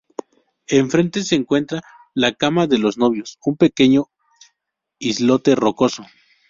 Enfrente se encuentra La Cama de los Novios, un pequeño islote rocoso.